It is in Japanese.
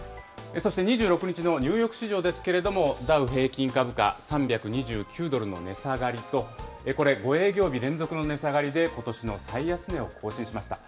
そして、２６日のニューヨーク市場ですけれども、ダウ平均株価、３２９ドルの値下がりと、これ、５営業日連続の値下がりで、ことしの最安値を更新しました。